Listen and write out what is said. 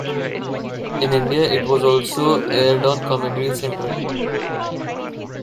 In India it was also aired on Comedy Central.